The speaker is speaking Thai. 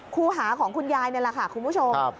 ครูหาของคุณยายนี่แหละค่ะคุณผู้ชม